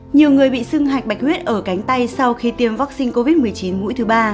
nhiều người bị sưng hạch bạch huyết ở cánh tay sau khi tiêm vaccine covid một mươi chín mũi thứ ba